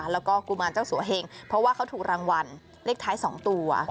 แล้วก็กุมารเจ้าสัวเหงเพราะว่าเขาถูกรางวัลเลขท้าย๒ตัว